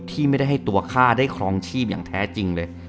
ที่ไม่ได้ให้ตัวข้าได้ครองชีพอย่างแท้จริงเลย